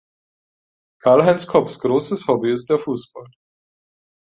Karlheinz Kopfs großes Hobby ist der Fußball.